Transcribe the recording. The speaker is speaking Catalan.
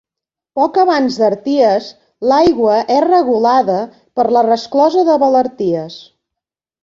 Poc abans d'Arties, l'aigua és regulada per la resclosa de Valarties.